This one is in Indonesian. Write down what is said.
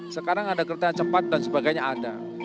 sekarang ada kereta cepat dan sebagainya ada